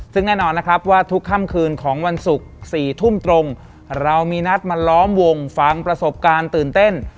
ซึ่งแน่นอนนะครับว่าทุกค่ำคืนของวันศุกร์๔ทุ่มตรงเรามีนัดมาล้อมวงฟังประสบการณ์ตื่นเต้น